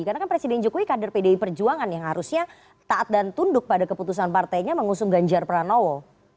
karena kan presiden jokowi kader pdi perjuangan yang harusnya taat dan tunduk pada keputusan partainya mengusung ganjar prabowo